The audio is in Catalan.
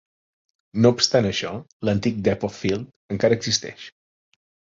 No obstant això, l'antic Depth of Field encara existeix.